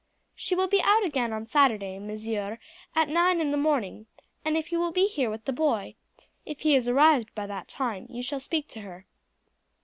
"She will be out again on Saturday, monsieur, at nine in the morning, and if you will be here with the boy, if he has arrived by that time, you shall speak to her."